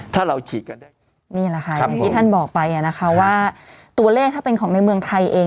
นี่แหละค่ะอย่างที่ท่านบอกไปว่าตัวเลขถ้าเป็นของในเมืองไทยเอง